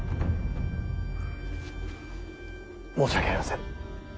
申し訳ありません。